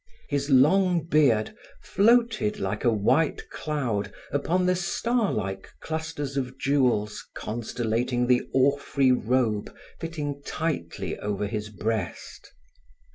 His long beard floated like a white cloud upon the star like clusters of jewels constellating the orphrey robe fitting tightly over his breast.